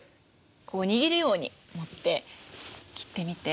こう握るように持って切ってみて。